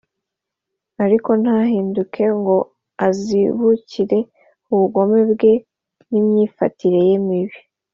ariko ntahinduke ngo azibukire ubugome bwe n'imyifatire ye mibi